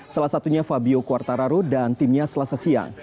salah satunya fabio quartararo dan timnya selasa siang